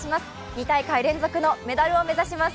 ２大会連続のメダルを目指します。